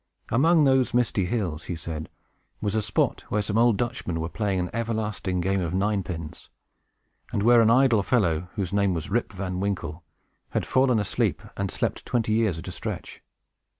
Among those misty hills, he said, was a spot where some old Dutchmen were playing an everlasting game of nine pins, and where an idle fellow, whose name was Rip Van Winkle, had fallen asleep, and slept twenty years at a stretch.